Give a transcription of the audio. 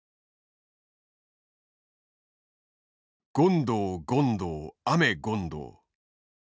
権藤権藤雨権藤。